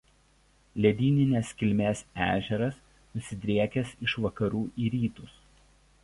Ledyninės kilmės ežeras nusidriekęs iš vakarų į rytus.